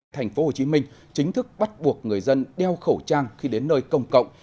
thành phố hồ chí minh chính thức bắt buộc người dân đeo khẩu trang khi đến nơi công cộng